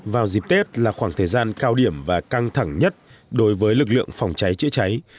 vào dịp tết là khoảng thời gian cao điểm và căng thẳng nhất đối với lực lượng phòng cháy chữa cháy